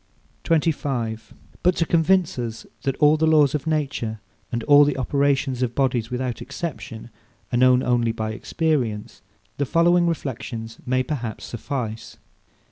25. But to convince us that all the laws of nature, and all the operations of bodies without exception, are known only by experience, the following reflections may, perhaps, suffice.